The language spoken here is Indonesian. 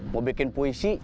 mau bikin puisi